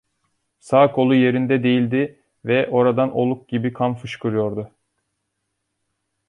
Sağ kolu yerinde değildi ve oradan oluk gibi kan fışkırıyordu.